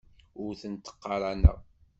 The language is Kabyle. Ur tent-ttqaraneɣ.